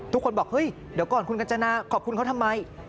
ทุกคนบอกเฮ้ยเดี๋ยวก่อนคุณกัญจนาขอบคุณเขาทำไม